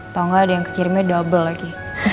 tau gak ada yang kekirimnya double lagi